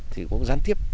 thì cũng gián tiếp